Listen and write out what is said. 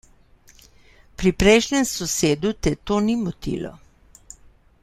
Pri prejšnjem sosedu te to ni motilo.